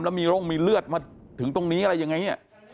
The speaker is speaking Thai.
แล้วมีโรคมีเลือดมาถึงตรงนี้อะไรยังไง